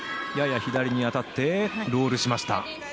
やや左に当たってロールしました。